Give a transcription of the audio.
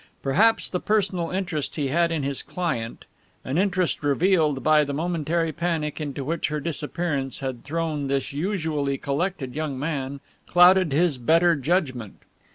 Perhaps the personal interest he had in his client, an interest revealed by the momentary panic into which her disappearance had thrown this usually collected young man, clouded his better judgment.